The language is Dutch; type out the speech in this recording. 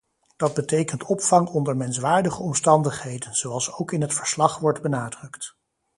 Dat betekent opvang onder menswaardige omstandigheden, zoals ook in het verslag wordt benadrukt.